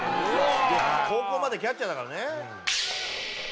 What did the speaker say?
高校までキャッチャーだからね。